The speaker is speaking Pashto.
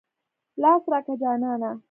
لاس راکه جانانه.